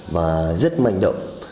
và rất manh động